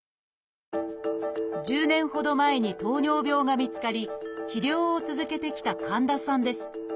１０年ほど前に糖尿病が見つかり治療を続けてきた神田さんです。